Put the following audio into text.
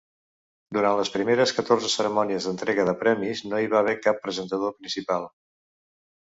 Durant les primers catorze cerimònies d'entrega de premis, no hi va haver cap presentador principal.